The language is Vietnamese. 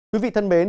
quý vị thân mến